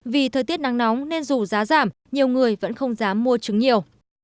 vì thời tiết nắng nóng nên dù giá giảm nhiều người vẫn không dám mua trứng nhiều